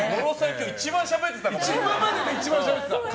今までで一番しゃべってた。